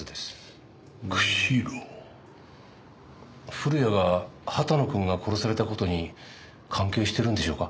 古谷が畑野くんが殺された事に関係しているんでしょうか？